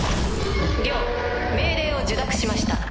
了命令を受諾しました。